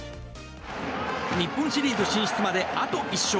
日本シリーズ進出まであと１勝。